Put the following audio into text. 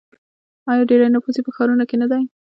آیا ډیری نفوس یې په ښارونو کې نه دی؟